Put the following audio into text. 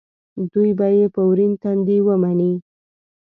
دوی به یې په ورین تندي ومني.